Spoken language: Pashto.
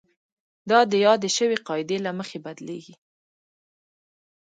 دا د یادې شوې قاعدې له مخې بدلیږي.